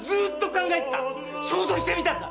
想像してみたんだ。